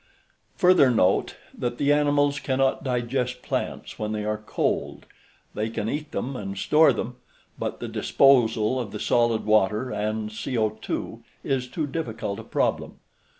Further note that the animals cannot digest plants when they are cold. They can eat them and store them, but the disposal of the solid water and CO_ is too difficult a problem.